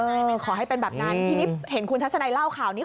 ใช่มันขอให้เป็นแบบนั้นทีนี้เห็นคุณทัศนัยเล่าข่าวนี้